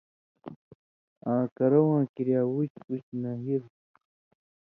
اں کرؤ واں کریا وُچ پُچ نہِرہۡ